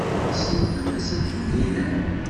Tessnem baba-s n Tunhinan.